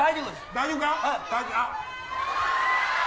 大丈夫か？